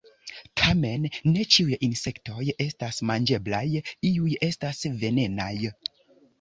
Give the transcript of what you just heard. Tamen ne ĉiuj insektoj estas manĝeblaj, iuj estas venenaj.